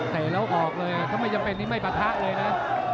แล้วออกเลยถ้าไม่จำเป็นนี่ไม่ปะทะเลยนะ